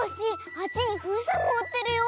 あっちにふうせんもうってるよ。